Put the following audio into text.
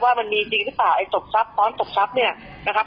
มันมีจริงหรือเปล่าไอ้ตบทรัพย์ซ้อนตบทรัพย์เนี่ยนะครับ